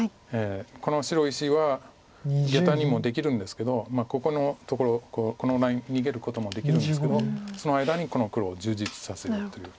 この白石はゲタにもできるんですけどここのところこのライン逃げることもできるんですけどその間にこの黒を充実させるという。